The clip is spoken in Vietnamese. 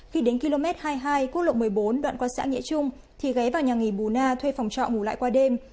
khi đến km hai mươi hai quốc lộ một mươi bốn đoạn qua xã nghĩa trung thì ghé vào nhà nghỉ bù na thuê phòng trọ ngủ lại qua đêm